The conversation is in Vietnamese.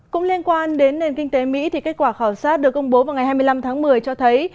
cũng liên quan đến nền kinh tế mỹ thì kết quả khảo sát được công bố vào ngày hai mươi năm tháng một mươi cho thấy